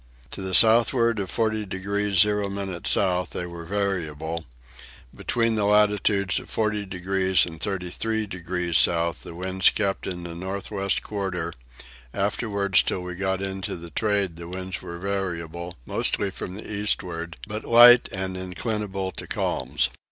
To the southward of 40 degrees 0 minutes south they were variable; between the latitudes of 40 and 33 degrees south the wind kept in the north west quarter; afterwards till we got into the trade the winds were variable, mostly from the eastward, but light and inclinable to calms.